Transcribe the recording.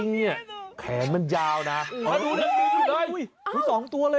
วิทยาลัยศาสตร์อัศวิทยาลัยศาสตร์